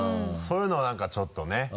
そういうのを何かちょっとね。